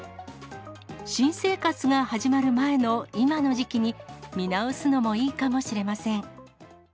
新生活が始まる前の今の時期に、見直すのもいいかもしれません。